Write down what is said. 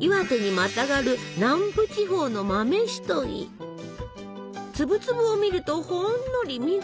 岩手にまたがる南部地方の粒々を見るとほんのり緑。